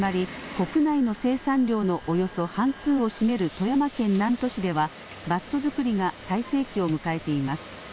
国内の生産量のおよそ半数を占める富山県南砺市ではバット作りが最盛期を迎えています。